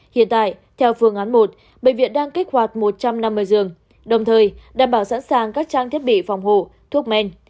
hiện tại theo phương án một bệnh viện đang kích hoạt một trăm năm mươi giường đồng thời đảm bảo sẵn sàng các trang thiết bị phòng hộ thuốc men